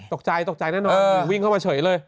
ตกใจตกใจแน่นอนวิ่งเข้ามาเฉยเลย